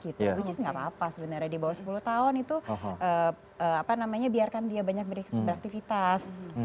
which is nggak apa apa sebenarnya di bawah sepuluh tahun itu biarkan dia banyak beraktivitas